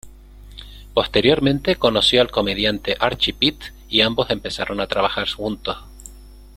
Posteriormente, conoció al comediante Archie Pitt y ambos empezaron a trabajar juntos.